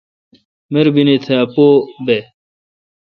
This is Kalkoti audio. مربینی تھا پو بھ۔